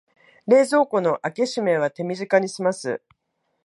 冷蔵庫の開け閉めは手短にすます